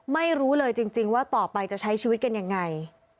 ไม่รู้เลยจริงว่าต่อไปจะใช้ชีวิตกันยังไง